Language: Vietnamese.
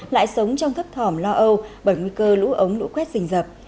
lại sống trong thấp thỏm lo âu bởi nguy cơ lũ ống lũ quét dình rập